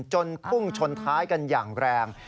พุ่งชนท้ายกันอย่างแรง